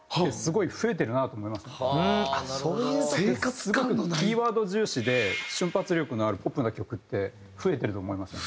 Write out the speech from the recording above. すごくキーワード重視で瞬発力のあるポップな曲って増えてると思いません？